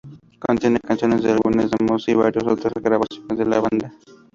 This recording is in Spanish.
Contiene canciones de álbumes, demos y varios otras grabaciones de la banda.